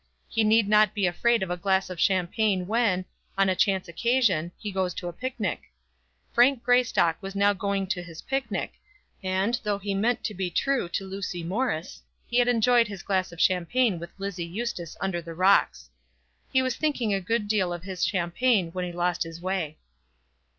He need not be afraid of a glass of champagne when, on a chance occasion, he goes to a picnic. Frank Greystock was now going to his picnic; and, though he meant to be true to Lucy Morris, he had enjoyed his glass of champagne with Lizzie Eustace under the rocks. He was thinking a good deal of his champagne when he lost his way.